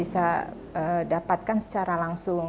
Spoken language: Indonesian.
kita tidak bisa dapatkan secara langsung